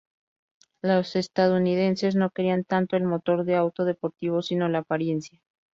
Los estadounidenses no querían tanto el motor de auto deportivo sino la apariencia.